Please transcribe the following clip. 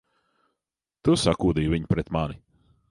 Tu sakūdīji viņu pret mani!